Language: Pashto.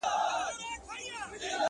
نور د منبر څوکو ته مه خېژوه!!